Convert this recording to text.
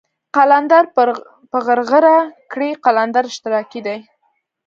قلندر په غرغره کړئ قلندر اشتراکي دی.